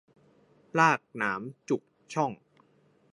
ลากหนามจุกช่อง